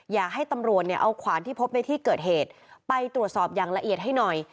อยากให้ตำรวจเนี่ยเอาขวานที่พบในที่เกิดเหตุไปตรวจสอบอย่างละเอียดให้หน่อย